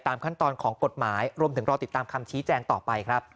ขั้นตอนของกฎหมายรวมถึงรอติดตามคำชี้แจงต่อไปครับ